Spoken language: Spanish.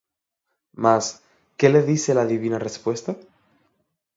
Mas ¿qué le dice la divina respuesta?